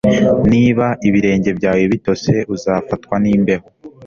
Niba ibirenge byawe bitose uzafatwa nimbeho